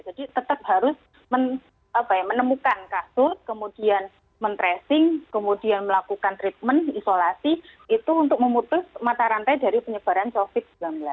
jadi tetap harus menemukan kasus kemudian men tracing kemudian melakukan treatment isolasi itu untuk memutus mata rantai dari penyebaran covid sembilan belas